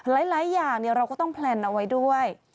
หลายอย่างเราก็ต้องแพลนเอาไว้ด้วย